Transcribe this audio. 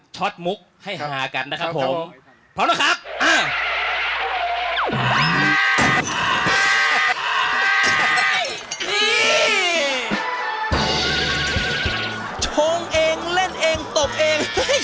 ชงเองเล่นเองตกเอง